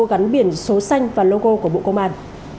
gắn biển số xanh và logo của bộ công an